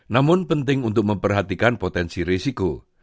namun penting untuk memperhatikan potensi risiko